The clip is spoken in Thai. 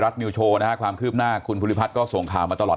รัฐมิวซ์โชว์ความคืบหน้าคุณพุริพัทธ์ก็ส่งข่าวมาตลอด